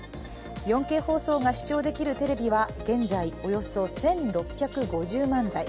４Ｋ放送が視聴できるテレビは現在、およそ１６５０万台。